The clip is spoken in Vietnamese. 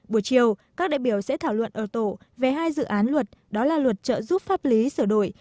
buổi chiều các đại biểu sẽ thảo luận ở tổ về hai dự án luật đó là luật trợ giúp pháp lý sửa đổi